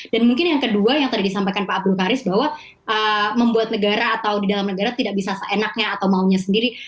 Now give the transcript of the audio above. dan mungkin yang kedua yang tadi disampaikan pak abdul karis bahwa membuat negara atau di dalam negara tidak bisa seenaknya atau maunya sendiri